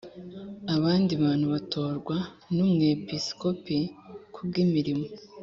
Abandi bantu batorwa n umwepiskopi kubw imirimo